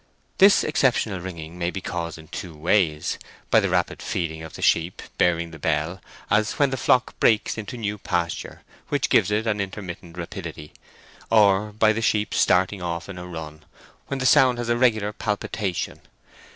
This exceptional ringing may be caused in two ways—by the rapid feeding of the sheep bearing the bell, as when the flock breaks into new pasture, which gives it an intermittent rapidity, or by the sheep starting off in a run, when the sound has a regular palpitation.